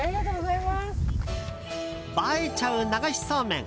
映えちゃう流しそうめん。